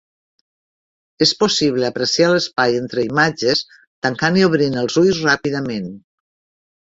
És possible apreciar l'espai entre imatges tancant i obrint els ulls ràpidament.